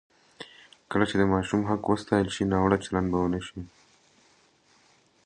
کله چې د ماشوم حق وساتل شي، ناوړه چلند به ونه شي.